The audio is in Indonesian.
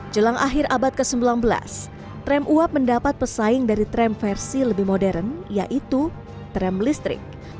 jelang akhir abad ke sembilan belas rem uap mendapat pesaing dari tram versi lebih modern yaitu tram listrik